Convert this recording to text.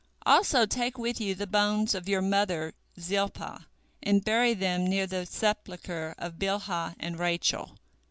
Also take with you the bones of your mother Zilpah, and bury them near the sepulchre of Bilhah and Rachel."